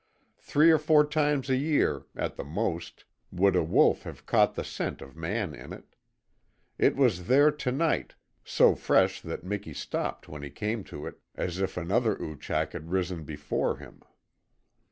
Three or four times a year at the most would a wolf have caught the scent of man in it. It was there tonight, so fresh that Miki stopped when he came to it as if another Oochak had risen before him.